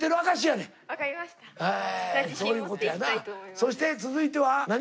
そして続いては何？